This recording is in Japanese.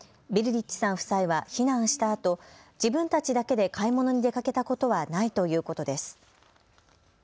リッチさん夫妻は避難したあと、自分たちだけで買い物に出かけたことはないということです。